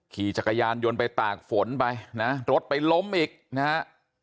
ขี่จักรยานยนต์ไปตากฝนไปนะรถไปล้มอีกนะฮะ